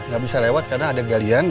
gak bisa lewat karena ada galian